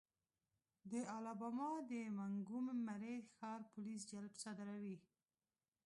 د الاباما د مونګومري ښار پولیس جلب صادروي.